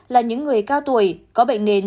là những người cao tuổi có bệnh nền